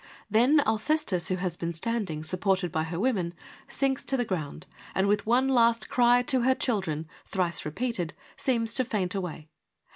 Then Alcestis who has been standing, supported by her women, sinks to the ground and with one last cry to her children thrice repeated seems toV faint away.